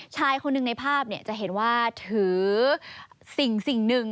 ชายคนหนึ่งในภาพจะเห็นว่าถือสิ่งหนึ่ง